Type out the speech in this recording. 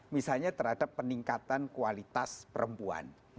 misalnya terhadap peningkatan kualitas perempuan